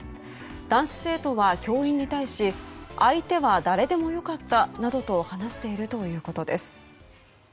男子生徒は教員に対し相手は誰でもよかったなどと話しているということです。